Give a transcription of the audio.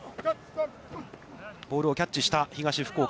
ボールをキャッチした東福岡。